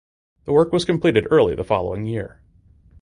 The work was completed early the following year.